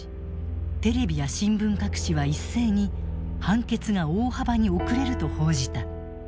テレビや新聞各紙は一斉に判決が大幅に遅れると報じた。